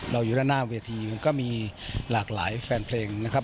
เรายุ่นหน้าเวียดทีก็มีหลากหลายแฟนเพลงนะครับ